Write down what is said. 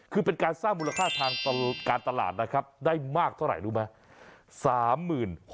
คือเป็นการสร้างมูลค่าทางการตลาดนะครับได้มากเท่าไหร่รู้ไหม